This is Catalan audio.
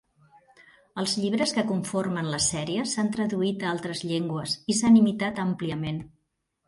Els llibres que conformen la sèrie s'han traduït a altres llengües i s'han imitat àmpliament.